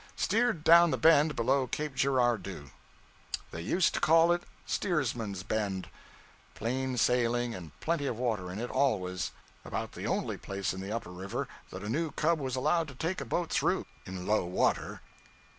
Steered down the bend below Cape Girardeau. They used to call it 'Steersman's Bend;' plain sailing and plenty of water in it, always; about the only place in the Upper River that a new cub was allowed to take a boat through, in low water.